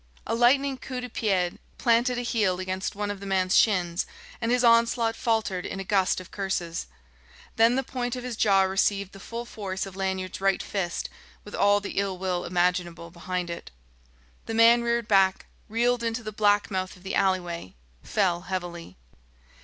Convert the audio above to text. A lightning coup de pied planted a heel against one of the man's shins, and his onslaught faltered in a gust of curses. Then the point of his jaw received the full force of Lanyard's right fist with all the ill will imaginable behind it. The man reared back, reeled into the black mouth of the alleyway, fell heavily.